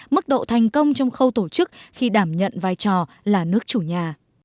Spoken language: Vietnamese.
mức độ thành công trong khâu tổ chức khi đảm nhận vai trò là nước chủ nhà